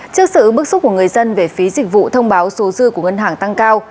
trước sự bức xúc của người dân về phí dịch vụ thông báo số dư của ngân hàng tăng cao